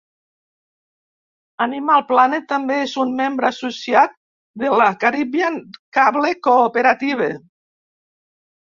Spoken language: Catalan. Animal Planet també és un membre associat de la Caribbean Cable Cooperative.